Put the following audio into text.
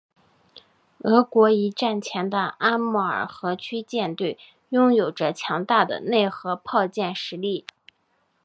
俄国一战前的阿穆尔河区舰队拥有着强大的内河炮舰实力。